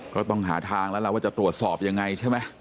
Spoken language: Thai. ก็ต้องหาทางแล้วล่ะว่าจะตรวจสอบยังไงใช่ไหม